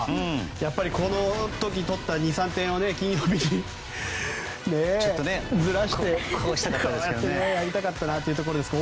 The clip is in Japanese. やっぱりこの時に取った２３点を金曜日にずらしてあげたかったなというところでしたが。